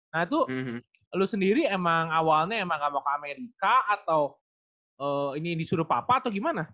nah itu lo sendiri emang awalnya emang gak mau ke amerika atau ini disuruh papa atau gimana